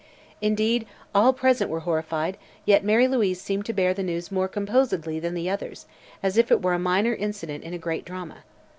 Indeed, all present were horrified, yet Mary Louise seemed to bear the news more composedly than the others as if it were a minor incident in a great drama.